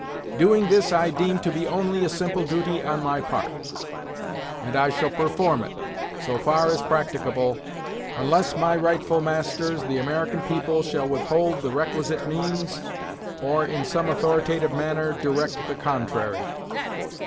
Doing this I deem to be only a simple duty on my part; and I shall perform it, so far as practicable, unless my rightful masters, the American people, shall withhold the requisite means, or, in some authoritative manner, direct the contrary.